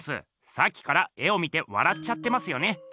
さっきから絵を見てわらっちゃってますよね。